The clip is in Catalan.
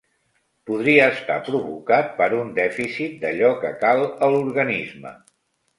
Podria estar provocat per un dèficit d'allò que cal a l'organisme.